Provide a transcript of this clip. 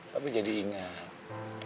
tapi jadi ingat